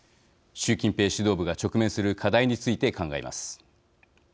習近平指導部が直面する課題について考えます。